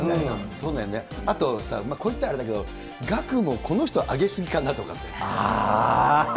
そうだよね、あとこう言ったらあれだけど、額もこの人あげすぎかなとかさ。